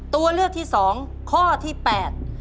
ตัวเลือกที่สองข้อที่แปด